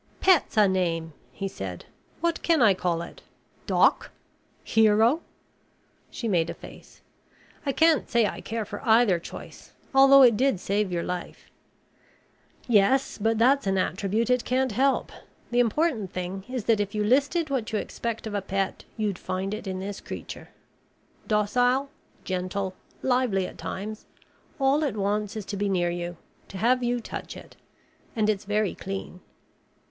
"Pet's a name," he said. "What can I call it? Doc? Hero?" She made a face. "I can't say I care for either choice, although it did save your life." "Yes, but that's an attribute it can't help. The important thing is that if you listed what you expect of a pet you'd find it in this creature. Docile, gentle, lively at times; all it wants is to be near you, to have you touch it. And it's very clean."